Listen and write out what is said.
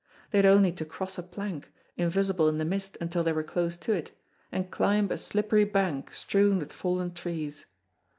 They had only to cross a plank, invisible in the mist until they were close to it, and climb a slippery bank strewn with fallen trees.